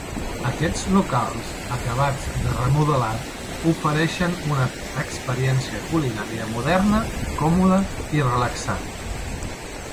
Aquests locals acabats de remodelar ofereixen una experiència culinària moderna, còmoda i relaxant.